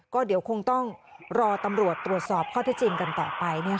ก็เดี๋ยวคงต้องรอตำรวจตรวจสอบข้อที่จริงกันต่อไป